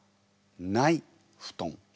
「ない蒲団」。